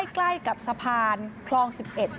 ใกล้กับสะพานคลอง๑๑